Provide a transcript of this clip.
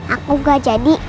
aku gak jadi